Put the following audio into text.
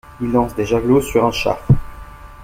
Il lance des javelots sur un char.